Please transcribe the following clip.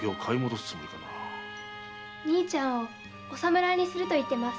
兄ちゃんをお侍にすると言ってます。